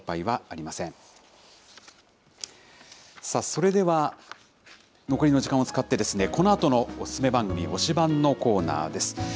それでは、残りの時間を使って、このあとのおすすめ番組、推しバンのコーナーです。